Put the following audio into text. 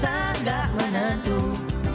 tak ada mana tuh